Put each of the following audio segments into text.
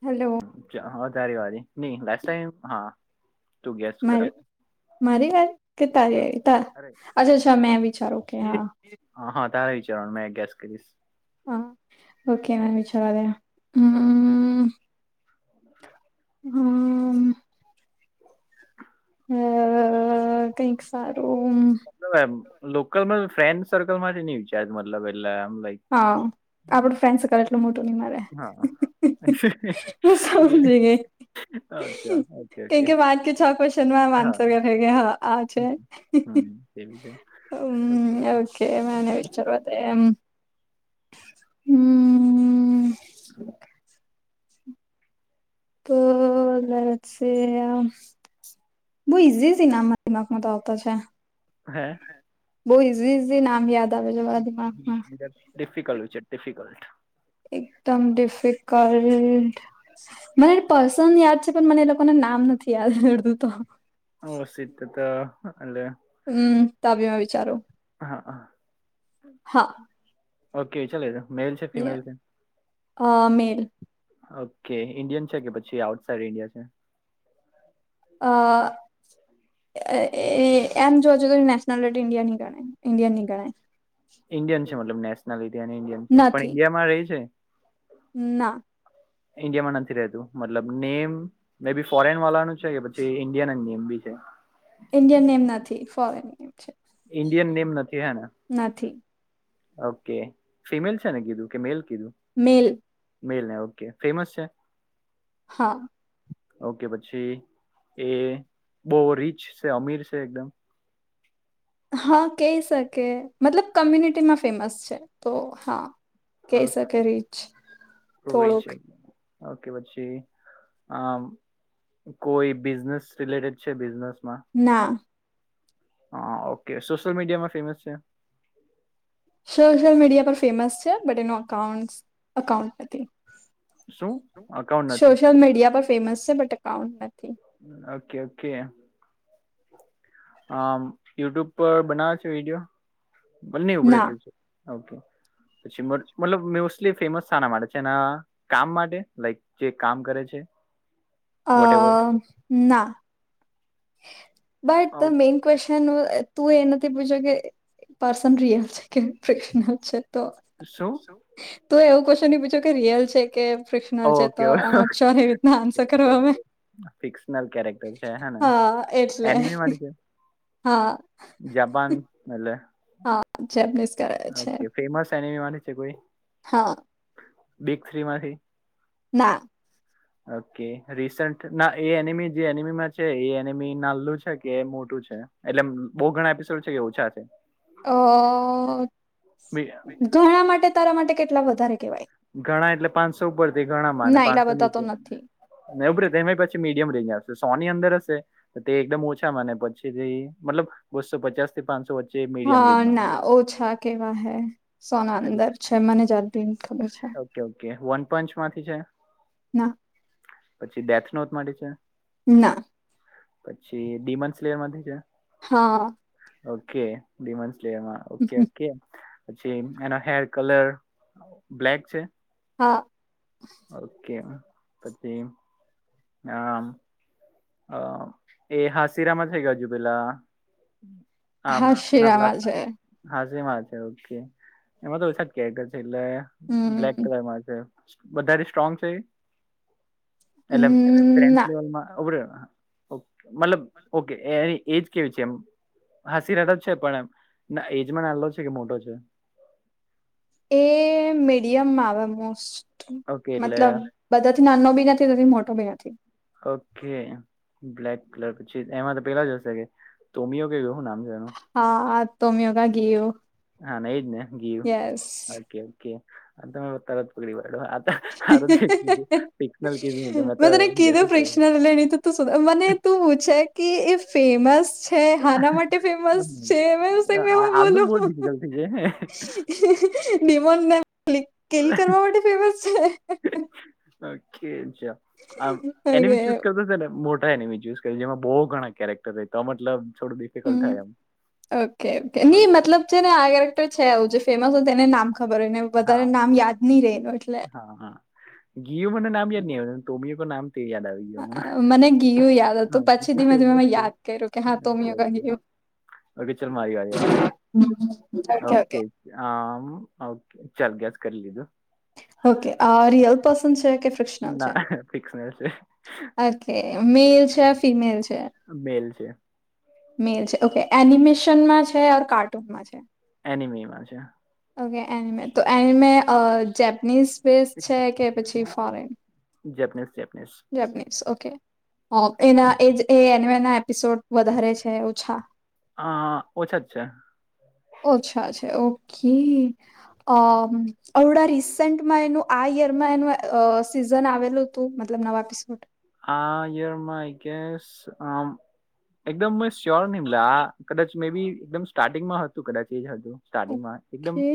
Hello. જ હવે તારી વારી નહી લાસ ટાઈમ હા. તું ગેસ કર મારી. હવે મારી વારી કે તારી ત અરે અચ્છા અચ્છા મેં વિચારો કે હા. હા હા તારે વિચારવાનું મે ગૈસ કરીશ. હા ઓકે ના વિચારે હ. હ [unintelligible] હમ. અ કઈક સારું. લબ એમ લોકલમાં ફ્રેન્ડ સર્કલમાંથી ની વિચાર મતલબ એટલે એમ લાઈક હા આપણુ ફ્રેન્ડ સર્કલ. એટલો મોટો નહી મારે હા મેં જે- સમજી ગ‌ઇ. અચ્છા ઓકે કે ઓકે કે વાત કે છ ક્વેશ્ચન માં હા આન્સર થ‌ઇ ગયા હા. આ છે હમ એવું છે ઓકે અમ અ ઓકે કે મને વિચારવ એમ. હમ્મ. તો લછે આ. બહુ ઈઝી જ ઇનામ દિમાગમાં તો આવતો છે. હે? બવ ઇઝી ઇઝી નામ યાદ આવે જવા ડિફિકલ્ટ વિચ ડિફિકલ્ટ. એકદમ ડિફિકલ્ટ. મને પર્સન યાદ છે પણ મને એ લોકોને નામ નથી યાદ રડતું તો. હરશીત તો તા આલ્યા. હમ્મ, તાબીમાં વિચારો. હા હા. હા. ઓકે ચલે, મેલ છે ફિમેલ છે? મેલ ઓકે ઇન્ડિયન છે કે પછી આઉટ સાઇડ ઇન્ડિયા છે? અ એ એમ જોવા છો નેશનલ આર્ટ ઇન્ડિયા ની ગણાય ઇન્ડિયા ની ગણાય. ઈન્ડિયન છે મતલબ નેશનલિટી અને ઇન્ડિયન છે પણ નથી ઈન્ડિયામાં રહે છે? ના. ઇન્ડિયામાં નથી રહેતું મતલબ નેમ? મે બી ફોરેન વાળાનું છે કે પછી ઇન્ડિયન એમ બી છે? ઇન્ડિયન નેમ નથી ફોરેન નેમ છે. ઈન્ડિયન નેમ નથી હેને? નથી ઓકે ફિમેલ છે ને કીધું કે મેલ કીધું? મેલ. મેલને ઓકે ફેમસ છે? હા. ઓકે પછી એ બવ રીચ છે અમીર છે એકદમ? હા કહી શકે, મતલબ કમ્યુનિટીમાં ફેમસ છે તો હા. કઈ શકે રીચ રીચ થોડુંક. છે ઓકે પછી આ કોઈ બિઝનેસ રિલેટેડ છે બિઝનેસ માં? ના. હા ઓકે સોશિયલ મીડિયા માં ફેમસ છે? સોશિયલ મીડિયા પર ફેમસ છે બટ એનું અકાઉન્ટ અકાઉન્ટ નથી. શું અકાઉન્ટ નથી સોશિયલ મીડિયા પર ફેમસ છે બટ અકાઉન્ટ નથી. Okay okay. આ યુટ્યુબ પર બનાવે છે વિડીયો બંને ઉપરે ના છે? ઓકે પછી મતલબ મોસ્ટલી ફેમસ શાના માટે છેને આ કામ માટે, લાઈક જે કામ કરે છે? અ વોટ એવર ના. બટ ધ મેઈન ક્વેશ્ચન તું એ નથી પૂછ્યો કે પર્સન રિયલ છે કે પ્રશનલ છે તો શું? તો એવું કશુ ની પૂછું કે રિયલ છે કે ફિકશનલ છે ઓકે તો આઈમ નોટ શ્યોર એવી રીતના આન્સર કરયો અમે ફિક્શનલ કેરેક્ટર છે હેને. હા એટલે એનિમીળી છે? હા જપાન મેલે? હા ચેપનીઝ કરે છે. ફેમસ એનીમી માને છે કોઈ? હા બીગ થ્રી માંથી ના ઓકે રિસન્ટ ના એ એનિમી જે એનિમીમાં છે એ એનિમી નાલું છે કે મોટું છે? એટલે બહુ ઘણા એપિસોડ છે કે ઓછા છે? અ બે અ ઘણા માટે તારા માટે કેટલા વધારે કેવાય? ઘણા એટલે પાંચસો ઉપર તે ઘણા માને ના એટલા પાંચસો બધા તો નીચે નથી. ને ઉભરે તેમાં એ પાછી મીડિયમ રેન્જ આવશે સોની અંદર હશે તો તે એકદમ ઓછા માંને પછીથી મતલબ બસો પચાસથી પાંચસો વચ્ચે મીડિયમ હા રેન્જમાં ના આવશે. ઓછા કેવા હે સોના અરે અંદર છે મને જાતીને ખબર છે. ઓકે ઓકે વનપંચ માંથી છે? ના પછી ડેથનોથ માંથી છે? ના પછી ડીમન્સલેર માંથી છે? હા ઓકે ડિમન્સલેરમાં ઓકે ઓકે. પછી એના હેર કલર બ્લેક છે? હા ઓકે પછી આમ અ એ હાસીરામાં છે કે હજુ પેલા આમ હા નલા શિરામાં છે હાસીમાં છે ઓકે એમાં તો ઓછા જ કેરેક્ટર છે એટલે બ્લેક હમ કલરમાં છે. વધારે સ્ટ્રોંગ છે એ એટલે ક્રેન્સ ના લેવલમાં ઉભ રે ઓકે મતલબ ઓકે એ એ એજ કેવું છે એમ હાસીરા તો છે પણ એમ ના એજમાં નાલો છે કે મોટો છે? એ મીડિયમમાં આવે મોસ્ટ ઓકે એટલે મતલબ બધાથી નાનો બી નથી નથી મોટો બી નથી. ઓકે બ્લેક કલર પછી એમાં તો પેલા જ હશે કે તોમીઓ કે હું નામ છે એનું? હા આ તોમ્યોગ આ ગીયો. હા ને એજ ને ગીયું યસ ઓકે ઓકે અને તમે તરત પકડી પાડો આત મેં કીધું નહીં તો મેં તો તને ગેસ જ કીધું [inaudible] તું કર્યો શું થાય મને તું પૂછે કે એ ફેમસ હે હાના માટે ફેમસ છે મેવુ સેમ એવું બોલું. ડીમોન નાલ ઓલી કીલ કરવા માટે ફેમસ છે? ઓકે ચલ આમ ઓકે એનીમી ચુઝ હમ કરતા તાને મોટા એનીમી જ્યૂસ કે જેમાં બહુ ઘણા કેરેક્ટર રેતા હોય મતલબ છોડ દે હમ હમ ઓકે કે ની ઓકે મતલબ છે ને આ કેરેક્ટર છે આવું જે ફેમસ હોય તેને નામ ખબર હોય ને વધારે નામ યાદ ની રે એનું એટલે હહ હા ગી મને નામ યાદ ન આવે તમીઓર નામ તે યાદ આવે. ફ મને ગીયું યાદ ઓ હતું પછી ધીમે ધીમે મેં યાદ કર્યું કે હા તોમિયો ગયું [unintelligible] ઓકે ચલ મારી વારી હવે ઓકે આમ ઓકે ચલ ગેસ કર લીધું. ઓકે અ રિયલ પર્સન છે? કે ફ્રિક્શનલ છે ના ફિક્સનલ છે. ઓકે મેલ છે ફિમેલ છે. મેલ છે. મેલ છે ઓકે એનિમેશનમાં છેર કાર્ટૂનમાં છે. એનિમીમાં છે. ઓકે એની મે તો એની મે જેપનીઝ છે કે પછી foreign Japanese Japanese Japanese okay. એના એજ એનેના એપિસોડ વધારે છે ઓછા. હ ઓછા જ છે. અચ્છા અચ્છા ઓકે. અ અડા રિસેન્ટમાં એનું આ યરમાં એનું અ સીઝન આવેલું. તું મતલબ નવા એપિસોડ. આયરમાં ગેસ આમ. એકદમ મે શ્યોર નિનીમલા કદાચ મે બી એકદમ સ્ટાર્ટિંગમાં હતું કદાચ એજ હતું સ્ટાર્ટિંગમાં એકદમ. ઓકે.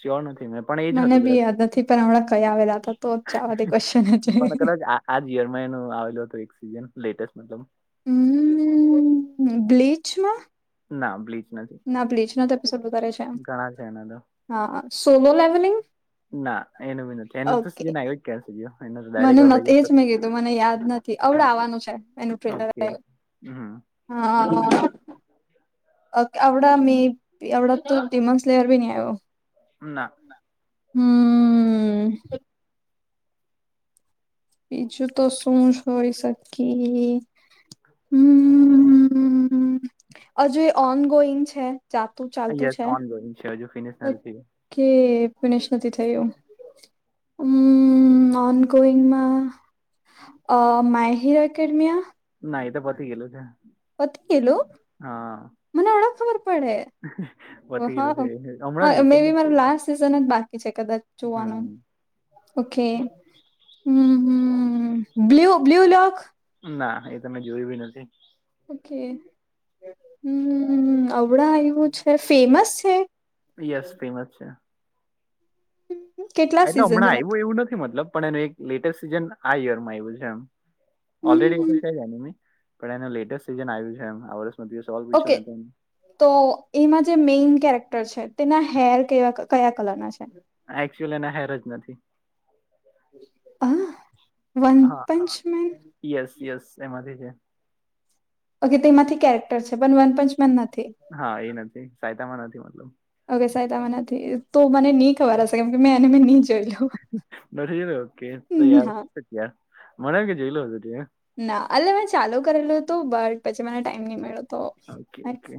શ્યોર નથી મેં પણ એજ મને હતું બી કદાચ યાદ નથી પણ હમણાં કયા આવેલા હતા તો જવા દે ક્વેશ્ચન જ. પણ કદાચ આ યર માં એનું આવેલું હતું એક સીઝન લેટેસ્ટ મતલબ હમ બ્લીચમાં. ના બ્લીચ નથી. ના બ્લીચ ના તો એપિસોડ કરારે છે એમ ઘણા છે એના તો હા સોલો લેબલિંગ. ના એનું બી નથી એનું તો ઓકે સીઝન આવ્યું જ ક્યાં સુધી એનું તો મને ડાયરેક્ટ નથીજ હવે મેં કીધું મને યાદ નથી. અવડ આવવાનું છે એનું ટ્રેલર ઓકે હમ હા. અ આવડા મે એવડ તો ડમન્સ લેયર બી ન આવીયો. ના. હમ. બીજું તો શું હોઈ શકે. હ હજુ એ ઓન ગોઈંગ છે. ચાતું ચા. યસ ઓન ગોઈંગ છે જો ફિનિશ નથી. કે પણેશ નથી થયુ. હમ ઓન ઓનગોવિંગમાં. અ મા હિર અકેડમિયા ના એ તો પતી ગેયેલુ છે. હોત ગેલું હા મને ઓવડો ખબર પડે. પતી ગેયેલુ છે હા એ. હા મે બી મારે લાસ્ટ સિઝન જ બાકી છે કદાચ જોવાનો. હમ ઓકે હ હ બ્લુ બ્લુ લોક. ના એ તમે જોયું બી નથી. ઓકે હમ અવડા આવું છે ફેમસ છે. યસ ફેમસ છે. કેટલા એટલે સિઝન હમણાં છે આવ્યું એવું નથી મતલબ પણ એનું એક લેટેસ્ટ સીઝન આ યર માં આવ્યું છે એમ ઓલરેડી એ હમ તો ક જાય પણ એનું લેટેસ્ટ સીઝન આવ્યું છે એમ આ વર્ષ દિવસ. ડોલ પીછે ઓકે ને તે. તો એમાં જે મેઈન કેરેક્ટર છે તેના હેર કયા કલરના છે. એકક્ચુઅલી એ ના હેર જ નથી. આ વન પંચમેન. તે યસ યસ એમાંથી છે. ઓકે તેમાંથી કેરેક્ટર છે પણ વનપંચમેન નથી. હા એ નથી સાયતામાં નથી મતલબ. ઓકે સયતામાં નથીથી તો મને નહી ખબર હશે કેમ કે મેં એને મેં નહી જોય લ્યું. નથી જ ઓકે તો યાર ના મને કે જેયલું તો છે ત્યાં. ના અલે મેં ચાલુ કરેલું હતું બટ પછી મને ટાઈમ નહી મળ્યો. તો ઓકે ઓકે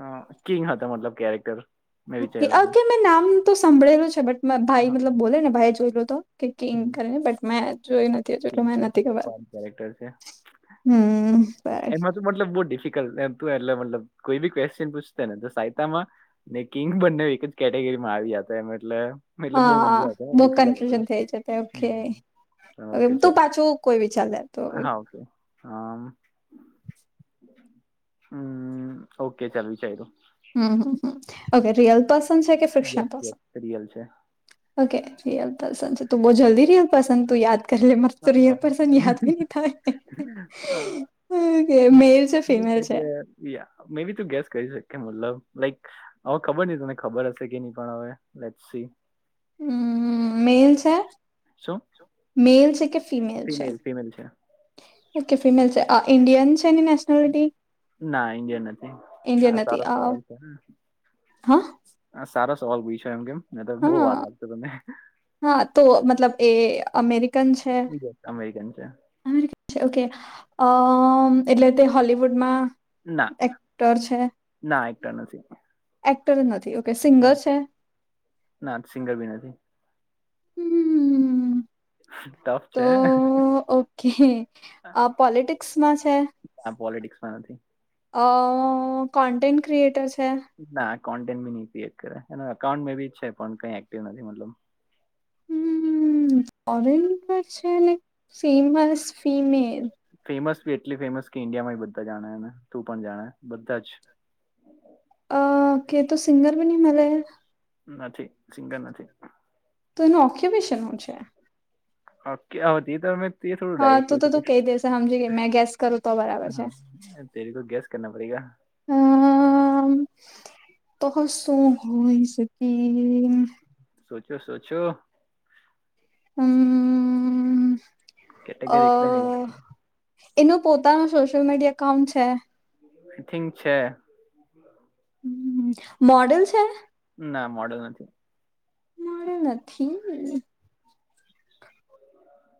અહ કિંગ હતા મતલબ કેરેક્ટર. મેં ઓકે વિચાર્યું હતું ઓકે મેં નામ તો સંભળેલું છે બટ ભાઈ હા મતલબ બોલે ને ભાઈ જોયેલું તો. કેકિંગ કરી બટ મેં જોય ન તેજ કેને ટીંકર નથી છે, ખબર. બાર કેરેક્ટર છે હમ્મ બે એમાં તો મતલબ બહુ ડિફિકલ્ટ તું એટલે મતલબ કોઈ બી ક્વેશ્ચન પૂછને તો સાયતામાં ને કિંગ બંને એક જ કેટેગરીમાં આવી્યા હતા એમ એટલે મતલબ બહુ હા મજા આવતો બહુ દેખી આ બધું. કન્ફ્યુઝન થઈ જતે ઓકે હા, ઓકે તું ચાલ. પાછું કોઈ વિચાર લે તો હા ઓકે હમ્મ. હમ્મ, ઓકે ચાલ વિચાર્યું. હમ્મ, ઓકે રિયલ પર્સન છે કે fiction yes person? Yes real છે ઓકે રિયલ પસંદ છે તું બહુ જલ્દી રિયલ પસંદ તું યાદ કરી લે એમાં સ્રિયલ હા. પરસન યાદ બી નહી થાય. અ, કે મેલ છે ફિમેલ છે? બિયાં મે બી તું ગેસ કરી શકી મતલબ લાઈક હવે ખબર નહીં તમને ખબર હશે કે નહી પણ હવે લેસ્ટ સી. હમ્મ, મેલ છે? શું મેલ છે કે, ફિમલ છે? ફિમેલ ફિમેલ છે ઓકે ફિમેલ છે આ ઇન્ડયન્ છે એની નેસ ના ઇન્ડિયન નથી. આ ઇન્ડિયન નથી સારો અ સવાલ છે. હા આ સારો સવાલ પૂછયો એમ કેમ. ને તો બહુ હા વાર લાગતો તમે હા તો મતલબ એ અમેરિકન છે. અમેરિકન છે. અને ઓકે અહ એટલે તે હોલિવુડમાં ના ના એકટર નથી. એક્ટર એ નથી ઓકે સિંગર છે? ના સિંગર બી નથી. હમ્મ. ટફ છે. કે આ પોલિટિક્સમાં છે? આ પોલિટિક્સ માં નથી. અહ કોન્ટન્ટેન્ટ ક્રિએટર છે? ના આ કોન્ટેન્ટ નહીંકરે અને એકાઉન્ટ બી જ છે કઈ એક્ટિવ નથી મતલબ. હમ્મ, ફોરેન માં છે ને ફેમસ ફિમેલ. ફેમસ બી એટલી ફેમસ કે ઇન્ડિયામાં બી બધા જાણે એ તું પણ જાણે બધા જ. અહ કે તું સિંગર બી નહીં મલે. નથી સિંગર નથી. તો એનું ઓક્યુપેશન હું છે? ઓ ક્યા હોતી તી તમે તે થોડું હા ડાયરેક્ટ હો તો તું છે. કહી દેશે સમજી ગઈ મેં ગેસ કરું તો બરાબર છે હા તેરીકો ગેસ કરના પડેગા. હમ્મ, તો હું શું હોય સકી? સોચો સોચો. હમ્મ, કેટેગરી એકદમ અલગ અહ છે એનો પોતાનો સોશિયલ મીડિયા એકાઉન્ટ છે? થિંક છે. [unintelligible] હમ્મ, મોડેલ છે? ના મોડલ નથી. મળ્યું નથી મેં.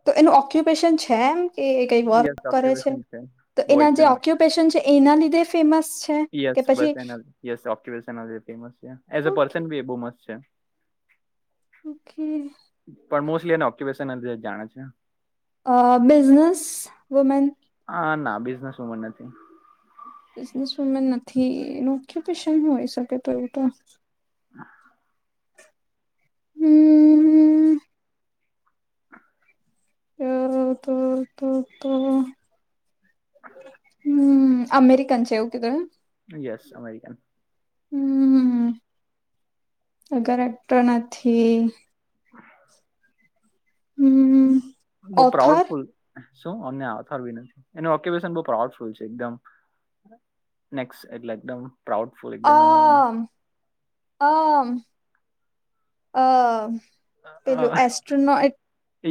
તો એનું ઓક્યુપેશન છે એમ કે એ કઈ નથી યસ વર્ક કરે છે ઓક્યુપેશન તો બો એના જે એકદમ ઓક્યુ પેશન છે એના લીધ ફેમસ છે. કે યસ પછી બસ એના યસ એક્યુપેશન ફેમસ છે એઝ અ ઓકે પર્સન બી એ બહુ મસ્ત છે. ઓકે. પણ મોસ્ટલી એને ઓક્યુપેશન જ જાણે છે. આ બિઝનેસ વુમેન આ ના બિઝનેસ વુમેન નથી. બિઝનેસ વુમેન નથી એનું ઓક્યુપેશન હોય શકે તો એવું તો. હા. હમ્મ હમ્મ. આ તો તો તો હમ્મ અમેરિકન છેે એવું કીધું હે. Yes American. હમ્મ અગર [unintelligible] નથી. [inaudible] હમ્મ. બો પ્રાઉડ ફૂલ શું અને આથાર બી નથી એનું ઓક્યુેશન બો પ્રાઉડ ફૂલ છે એકદમ નેક્સ્ટ એટલે એકદમ પ્રાઉડફુલ એકદમ એનું આમ આમ આ પેલું એસ્ટ્રોનોટ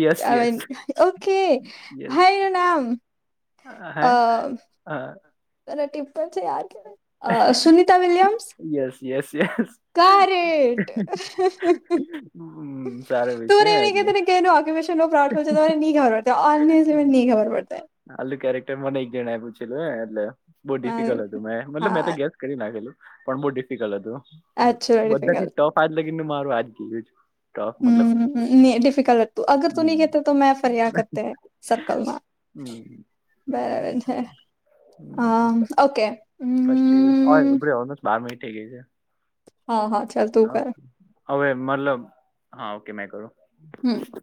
યસ યસ [unintelligible] ઓકે ભાઈનું નામ આ હાય આ અને ટીમ્પલા છે યાર શું કહેવાય આ Sunita Williams. Yes yes yes. કરેટ [unintelligible] હમ્મ સારું ભી છે તુંને એમ નહી એટલે. કે એનું ઓક્યુપેશન નો પ્રાઉડફુલ છે તો મને ની ખબર પડતે [unintelligible] મે ની ખબર પડતે. હાલું કેરેક્ટર મને એક જણા એ પૂછેલું હે એટલે બહુ ડિફિકલ્ટ હતું પડતી મેં મતલબ મે તો હા ગેસ્ટ કરી નાખેલું પણ બહુ ડિફિકલ્ટ હતું એકચુઅલી બધા થી ડિફિકલ્ટ ટફ આજ લાગી નું મારું આજ ગયું. ટફ મતલબ હમ્મ હામ ની ડિફિકલ્ટ હતું. તો અગર તું નહી હમ કેતા તો મેં ફરિયા કરતે હે સર્કલમાં. હમ બરાબર છે આ ઓકે પછી ઓય હમ્મ. ઉભી રે ઓલમોસ્ટ બાર મિનિટ થઈ ગઈ છે હા હા ચાલ તું કર [unintelligible] હવે મતલબ હા ઓકે મેં કરું. હામ.